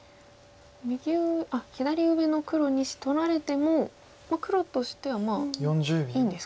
左上の黒２子取られても黒としてはまあいいんですか。